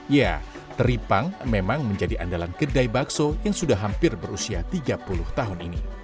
ya teripang memang menjadi andalan kedai bakso yang sudah hampir berusia tiga puluh tahun ini